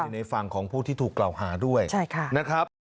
ในฝั่งของผู้ที่ถูกกล่าวหาด้วยนะครับ